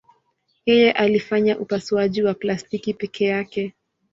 Yeye alifanya upasuaji wa plastiki peke yake.